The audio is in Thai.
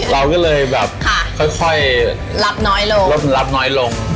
เราก็เลยแบบค่อยรับน้อยลง